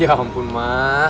ya ampun ma